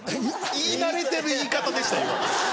言い慣れてる言い方でした今。